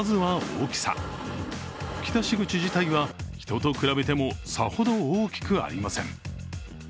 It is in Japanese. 噴き出し口自体は人と比べてもさほど大きくありません。